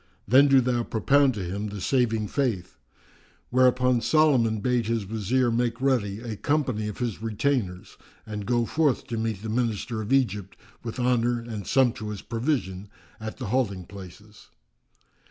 Then do thou propound to him The Saving Faith."[FN#360] Whereupon Solomon bade his Wazir make ready a company of his retainers and go forth to meet the Minister of Egypt with honour and sumptuous provision at the halting places.